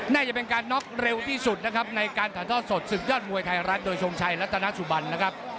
น่าจะเป็นการน็อกเร็วที่สุดนะครับในการถ่ายทอดสดศึกยอดมวยไทยรัฐโดยทรงชัยรัฐนาสุบันนะครับ